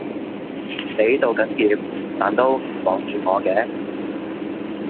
你道緊歉但都唔望住我嘅